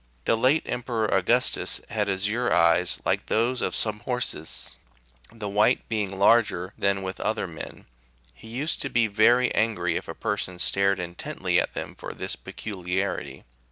The late Emperor Augustus had azure eyes like those of some horses, the white being larger than with other men ; he used to be very angr} if a person stared intently at them for this peculiarity.